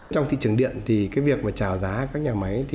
trong thị trường điện thì cái việc mà trào giá các nhà máy thì